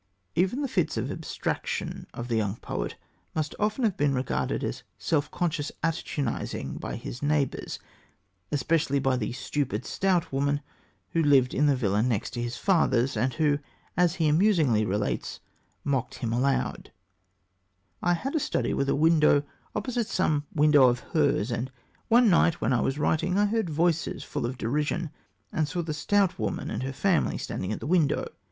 Even the fits of abstraction of the young poet must often have been regarded as self conscious attitudinizing by his neighbours especially by the "stupid stout woman" who lived in the villa next to his father's, and who, as he amusingly relates, mocked him aloud: I had a study with a window opposite some window of hers, and one night when I was writing, I heard voices full of derision, and saw the stout woman and her family standing at the window.